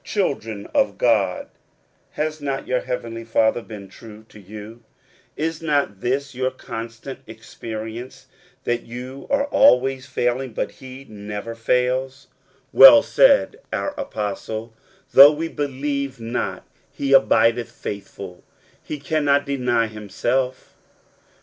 Children of God has not your heavenly Father been true to you ? Is not this your constant ex perience, that you are always failing, but he never fails? Well said our apostle, " Though we believe not, he abideth faithful : he cannot deny himself."